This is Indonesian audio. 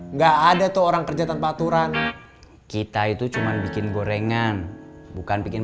enggak ada tuh orang kerja tanpa aturan kita itu cuman bikin gorengan bukan bikin